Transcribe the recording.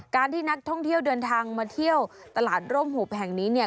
การที่นักท่องเที่ยวเดินทางมาเที่ยวตลาดร่มหุบแห่งนี้เนี่ย